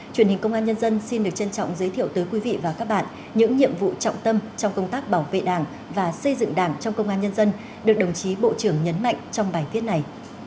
truyền hình công an nhân dân xin được trân trọng giới thiệu tới quý vị và các bạn những nhiệm vụ trọng tâm trong công tác bảo vệ đảng và xây dựng đảng trong công an nhân dân được đồng chí bộ trưởng nhấn mạnh trong bài viết này